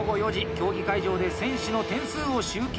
競技会場で選手の点数を集計。